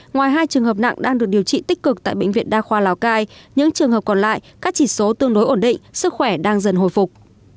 ngoài hai trường hợp nặng đang được điều trị tích cực tại bệnh viện đa khoa lào cai những trường hợp còn lại các chỉ số tương đối ổn định sức khỏe đang dần hồi phục